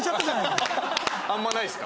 あんまないですか？